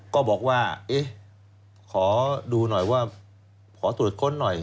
ก็บอกว่าเอ๊ะขอดูหน่อยว่าขอตรวจค้นหน่อย